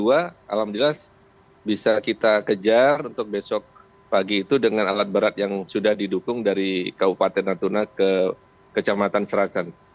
alhamdulillah bisa kita kejar untuk besok pagi itu dengan alat berat yang sudah didukung dari kabupaten natuna ke kecamatan serasan